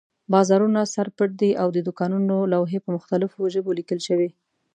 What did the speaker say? بازارونه سر پټ دي او د دوکانونو لوحې په مختلفو ژبو لیکل شوي.